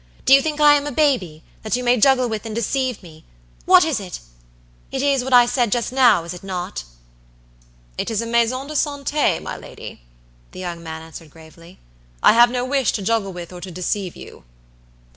"Do you think I am a baby, that you may juggle with and deceive mewhat is it? It is what I said just now, is it not?" "It is a maison de santé, my lady," the young man answered, gravely. "I have no wish to juggle with or to deceive you."